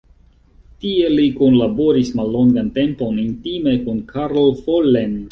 Tie li kunlaboris mallongan tempon intime kun Karl Follen.